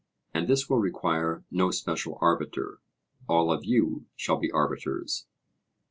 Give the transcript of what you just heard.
And this will require no special arbiter all of you shall be arbiters.